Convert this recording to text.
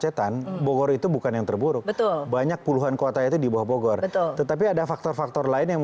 dengan sebuah austeritas dan kesyaratan bagi akses menuju pembangunan yang agung repair bagi pake pisau dielola coba nyamuk apa nya bagi apa apa bagaimana